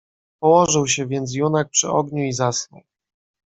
"Położył się więc junak przy ogniu i zasnął."